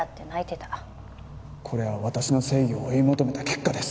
これは私の正義を追い求めた結果です。